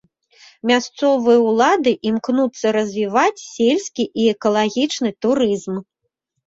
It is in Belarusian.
Мясцовыя ўлады імкнуцца развіваць сельскі і экалагічны турызм.